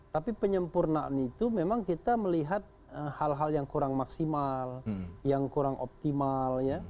tapi penyempurnaan itu memang kita melihat hal hal yang kurang maksimal yang kurang optimal